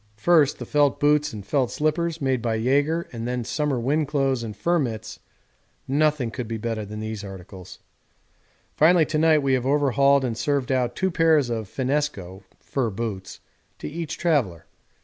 First the felt boots and felt slippers made by Jaeger and then summer wind clothes and fur mits nothing could be better than these articles. Finally to night we have overhauled and served out two pairs of finnesko (fur boots) to each traveller.